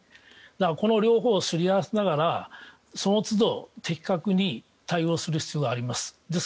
この両方をすり合わせながらその都度的確に対応する必要があります。